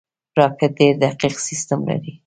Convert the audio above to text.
راکټ ډېر دقیق سیستم لري